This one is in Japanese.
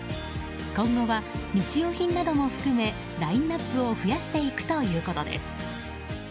今後は日用品なども含めラインアップを増やしていくということです。